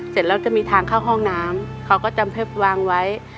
เสร็จแล้วจะมีทางเข้าห้องน้ำเขาก็จำวางไว้